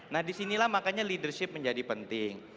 nah disinilah makanya leadership menjadi penting